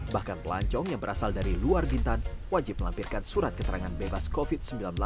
bahkan pelancong yang berasal dari luar bintan wajib melampirkan surat keterangan bebas covid sembilan belas